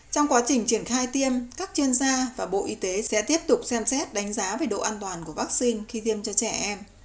trong quá trình triển khai tiêm các chuyên gia và bộ y tế sẽ tiếp tục xem xét đánh giá về độ an toàn của vaccine khi tiêm cho trẻ em